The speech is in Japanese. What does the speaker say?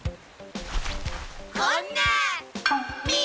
こんな耳！